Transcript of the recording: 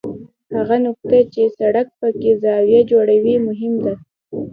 هغه نقطه چې سړک پکې زاویه جوړوي مهم ده